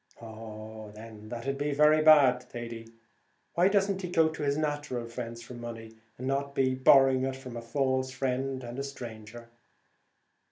"Oh, then, that'd be very bad, Thady; why doesn't he go to his natural friends for money, and not to be borrowing it of a false friend and a stranger?"